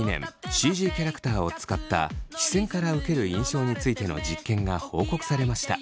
ＣＧキャラクターを使った視線から受ける印象についての実験が報告されました。